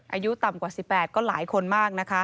อายุต่ำกว่า๑๘ก็หลายคนมากนะคะ